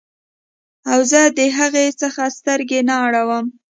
او زه د هغې څخه سترګې نه اړوم